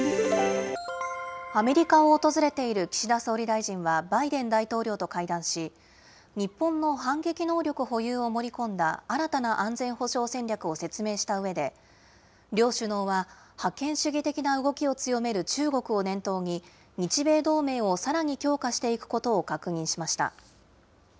アメリカを訪れている岸田総理大臣はバイデン大統領と会談し、日本の反撃能力保有を盛り込んだ新たな安全保障戦略を説明したうえで、両首脳は、覇権主義的な動きを強める中国を念頭に、日米同盟をさらに強化していくことを確認しました。